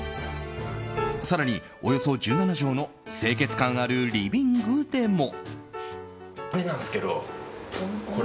更に、およそ１７畳の清潔感あるリビングでも。